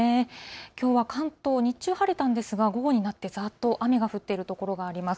きょうは関東、日中晴れたんですが午後になって、ざっと雨が降っている所があります。